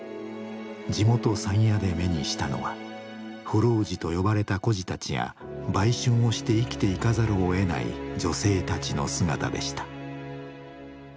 地元山谷で目にしたのは浮浪児と呼ばれた孤児たちや売春をして生きていかざるをえない女性たちの姿でした。